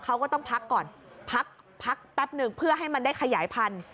เขาก็ต้องพักก่อนพักแป๊บหนึ่งเพื่อให้มันได้ขยายพันธุ